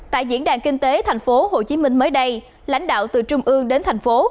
tại diễn đàn kinh tế tp hcm mới đây lãnh đạo từ trung ương đến thành phố